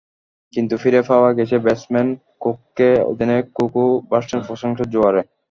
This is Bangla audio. কিন্তু ফিরে পাওয়া গেছে ব্যাটসম্যান কুককে, অধিনায়ক কুকও ভাসছেন প্রশংসার জোয়ারে।